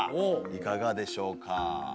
いかがでしょうか？